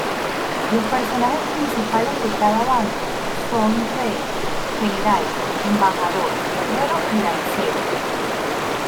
Los personajes principales de cada bando son rey, general, embajador, guerrero y lancero.